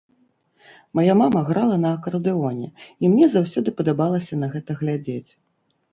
Мая мама грала на акардэоне і мне заўсёды падабалася на гэта глядзець.